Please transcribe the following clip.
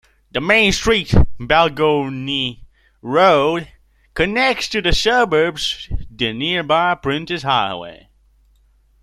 The main street, Balgownie Road, connects the suburb to the nearby Princes Highway.